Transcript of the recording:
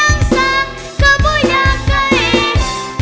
ยังสร้างก็ไม่อยากใกล้